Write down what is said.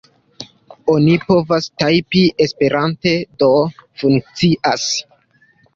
Oni povos tajpi esperante, do funkcias.